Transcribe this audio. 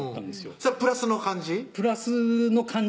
それはプラスの感じ？